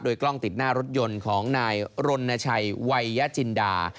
กล้องติดหน้ารถยนต์ของนายรณชัยวัยยจินดา